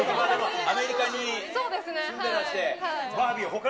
アメリカに住んでらして。